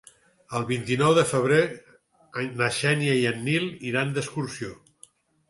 El vint-i-nou de febrer na Xènia i en Nil iran d'excursió.